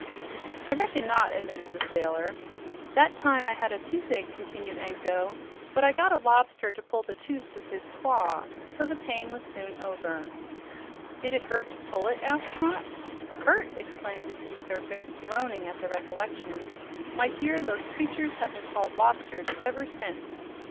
"I reckon not," admitted the sailor. "That time I had a toothache," continued Anko, "but I got a lobster to pull the tooth with his claw, so the pain was soon over." "Did it hurt to pull it?" asked Trot. "Hurt!" exclaimed the Sea Serpent, groaning at the recollection. "My dear, those creatures have been called lobsters ever since!